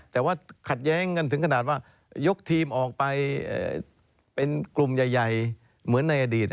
แต่ว่าขัดแย้งกันถึงขนาดว่ายกทีมออกไปเป็นกลุ่มใหญ่เหมือนในอดีต